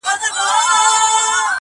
• چي زه الوزم پر تاسي څه قیامت دی -